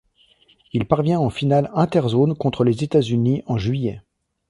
Il parvient en finale inter-zone contre les États-Unis en juillet.